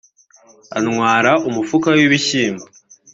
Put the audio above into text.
antwara umufuka w’ibishyimbo